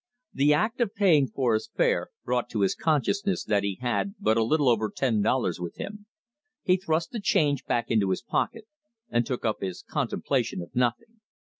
The act of paying for his fare brought to his consciousness that he had but a little over ten dollars with him. He thrust the change back into his pocket, and took up his contemplation of nothing.